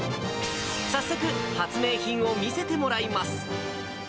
早速、発明品を見せてもらいます。